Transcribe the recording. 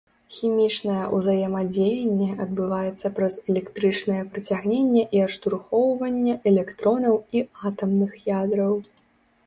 Хімічнае ўзаемадзеянне адбываецца праз электрычнае прыцягненне і адштурхоўванне электронаў і атамных ядраў.